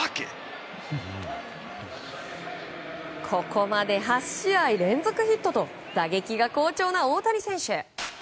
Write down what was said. ここまで８試合連続ヒットと打撃が好調な大谷選手。